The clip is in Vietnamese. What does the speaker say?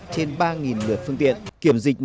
trên ba lượt phương tiện kiểm dịch